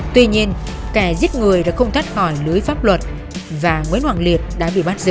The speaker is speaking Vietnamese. tuy nhiên kẻ giết người đã không thoát khỏi lưới pháp luật và nguyễn hoàng liệt đã bị bắt giữ